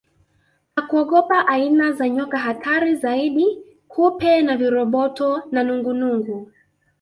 Hakuogopa aina za nyoka hatari zaidi kupe na viroboto na nungunungu